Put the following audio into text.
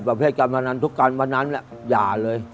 ประเภทการพนันทุกการวันนั้นแหละอย่าเลย